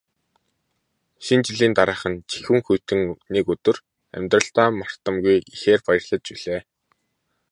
Шинэ жилийн дараахан жихүүн хүйтэн нэг өдөр амьдралдаа мартамгүй ихээр баярлаж билээ.